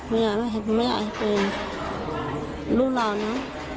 ไม่อยากให้เป็นลูกราวนะ